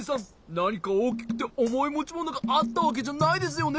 なにかおおきくておもいもちものがあったわけじゃないですよね？